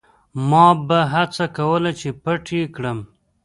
ما به هڅه کوله چې پټ یې کړم.